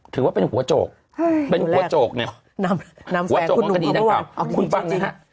ถือว่าเป็นหัวโจกหัวโจกของกระดีนักกราวคุณบั้มนะครับ